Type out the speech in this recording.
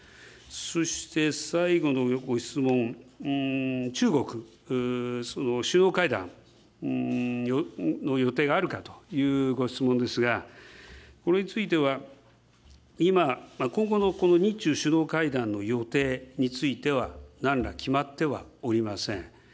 そして最後のご質問、中国、首脳会談の予定があるかというご質問ですが、これについては、今、今後の日中首脳会談の予定については、なんら決まってはおりません。